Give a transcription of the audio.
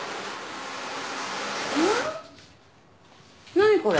何これ？